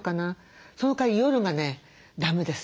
そのかわり夜がねだめです